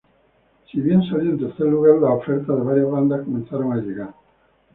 Si bien salió en tercer lugar, las ofertas de varias bandas comenzaron a llegar.